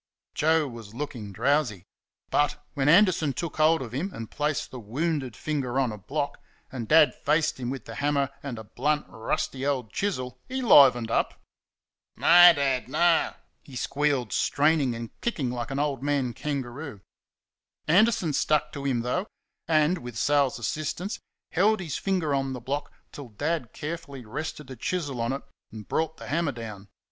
Joe was looking drowsy. But, when Anderson took hold of him and placed the wounded finger on a block, and Dad faced him with the hammer and a blunt, rusty old chisel, he livened up. "No, Dad, NO!" he squealed, straining and kicking like an old man kangaroo. Anderson stuck to him, though, and with Sal's assistance held his finger on the block till Dad carefully rested the chisel on it and brought the hammer down.